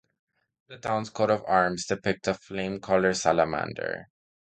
The town's coat of arms depicts a flame-colored salamander.